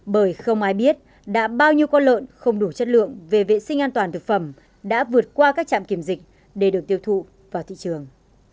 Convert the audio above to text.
bởi không ai biết đã bao nhiêu con lợn không đủ chất lượng về vệ sinh an toàn thực phẩm đã vượt qua các trạm kiểm dịch để được tiêu thụ vào thị trường